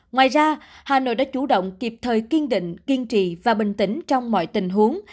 ngoài ra hà nội đã chủ động kịp thời kiên định kiên trì và bình tĩnh trong mọi tình huống